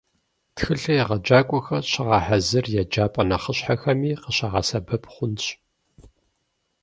Тхылъыр егъэджакӀуэхэр щагъэхьэзыр еджапӀэ нэхъыщхьэхэми къыщыбгъэсэбэп хъунщ.